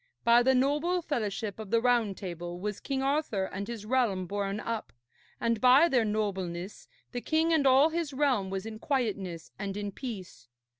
By the noble fellowship of the Round Table was King Arthur and his realm borne up, and by their nobleness the king and all his realm was in quietness and in peace.